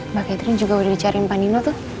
mbak catherine juga udah dicariin pak nino tuh